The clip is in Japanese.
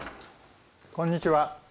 こんにちは。